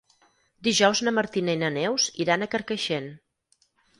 Dijous na Martina i na Neus iran a Carcaixent.